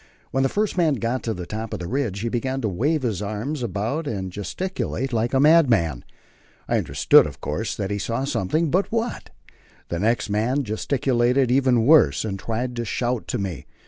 When the first man got to the top of the ridge, he began to wave his arms about and gesticulate like a madman. I understood, of course, that he saw something, but what? The next man gesticulated even worse, and tried to shout to me.